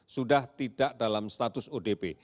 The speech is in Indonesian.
sudah tidak dalam status odp